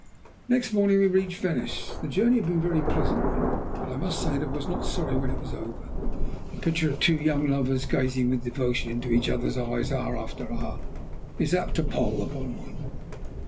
Next morning we reached Venice. The journey had been a very pleasant one, but I must say that I was not sorry when it was over. The picture of two young lovers, gazing with devotion into each other's eyes hour after hour, is apt to pall upon one.